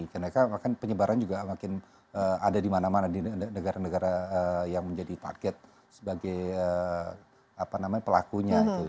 karena mereka akan penyebaran juga makin ada di mana mana di negara negara yang menjadi target sebagai pelakunya